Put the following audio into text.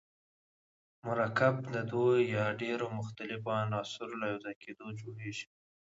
مرکب د دوه یا ډیرو مختلفو عناصرو له یوځای کیدو جوړیږي.